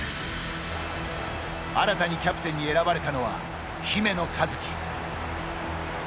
新たにキャプテンに選ばれたのは姫野和樹。